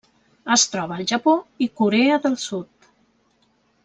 Es troba al Japó i Corea del Sud.